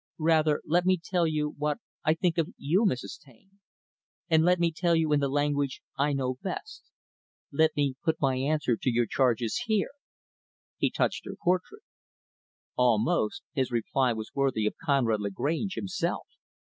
"Rather let me tell you what I think of you, Mrs. Taine. And let me tell you in the language I know best. Let me put my answer to your charges here," he touched her portrait. Almost, his reply was worthy of Conrad Lagrange, himself.